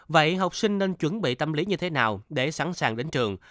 vậy học sinh nên chuẩn bị tâm lý như thế nào để sẵn sàng đến trường